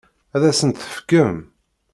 Ad asent-t-tefkem?